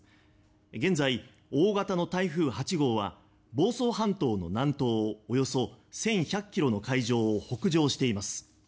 現在、大型の台風８号は房総半島の南東およそ１１００ｋｍの海上を北上しています。